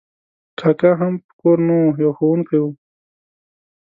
کاکا هم په کور نه و، یو ښوونکی و.